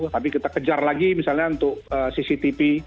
tapi kita kejar lagi misalnya untuk cctv